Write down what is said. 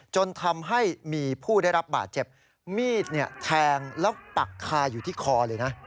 จนทำให้มีผู้ได้รับบาดเจ็บมีดแทงแล้วปักคาอยู่ที่คอเลยนะ